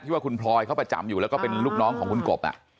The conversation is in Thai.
ว่าคุณพลอยเขาประจำอยู่แล้วก็เป็นลูกน้องของคุณกบ